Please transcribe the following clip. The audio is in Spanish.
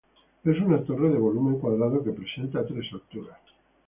Es una torre de volumen cuadrado que presenta tres alturas.